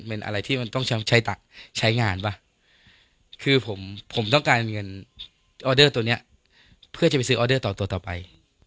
เข้าใจว่าเราจะมาตีหน้าเศร้าเป็นคนที่สมาธิ